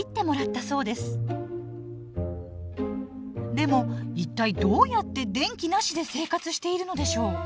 でも一体どうやって電気なしで生活しているのでしょう？